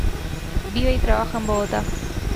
Vive y trabaja en Bogotá.